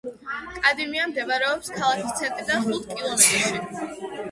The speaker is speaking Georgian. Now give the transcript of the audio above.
კადიმია მდებარეობს ქალაქის ცენტრიდან ხუთ კილომეტრში.